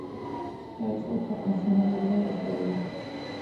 დაიწყო ქვეყნის თანამედროვე ისტორია.